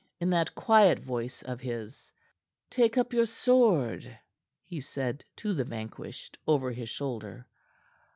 In that quiet voice of his: "Take up your sword," he said to the vanquished, over his shoulder.